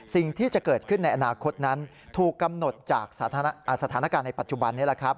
สิ่งที่จะเกิดขึ้นในอนาคตนั้นถูกกำหนดจากสถานการณ์ในปัจจุบันนี้แหละครับ